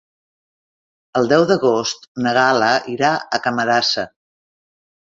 El deu d'agost na Gal·la irà a Camarasa.